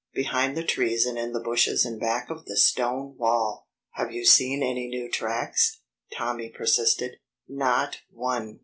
"Behind the trees and in the bushes and back of the stone wall!" "Have you seen any new tracks?" Tommy persisted. "Not one!"